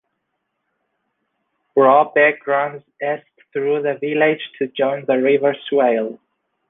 Brough Beck runs east through the village to join the River Swale.